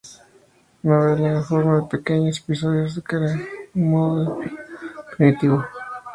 Novela en forma de pequeños episodios que recrean un modo de vida primitivo.